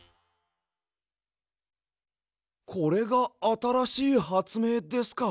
これがあたらしいはつめいですか。